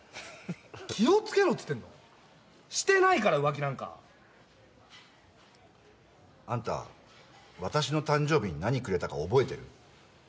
気をつけろっつってんのしてないから浮気なんかあんた私の誕生日に何くれたか覚えてる？